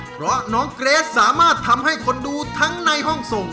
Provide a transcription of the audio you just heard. เพราะน้องเกรสสามารถทำให้คนดูทั้งในห้องส่ง